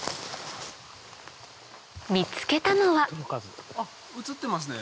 見つけたのは映ってますね